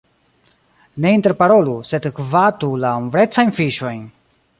Ne interparolu, sed gvatu la ombrecajn fiŝojn!